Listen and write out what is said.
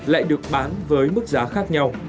lại được bán với mức giá khác nhau